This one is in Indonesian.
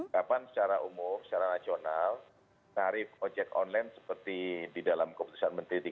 kapan secara umum secara nasional tarif ojek online seperti di dalam keputusan menteri tiga ratus empat puluh delapan